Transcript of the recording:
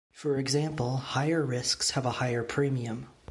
For example, higher risks have a higher premium.